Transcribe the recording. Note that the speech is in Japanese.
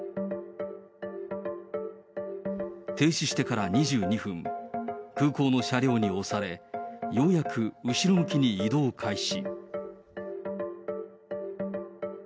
停止してから２２分、空港の車両に押され、ようやく後ろ向きに移動開始。